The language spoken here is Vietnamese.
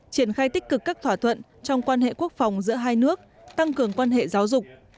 triển khai tích cực các thỏa thuận trong quan hệ quốc phòng giữa hai nước tăng cường quan hệ giáo dục